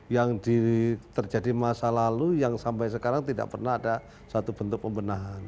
yang terjadi masa lalu yang sampai sekarang tidak pernah ada satu bentuk pembenahan